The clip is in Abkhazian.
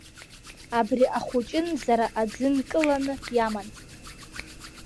Абри ахәыҷынӡара аӡы нкыланы иаман.